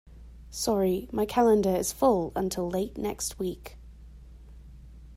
Sorry, my calendar is full until late next week.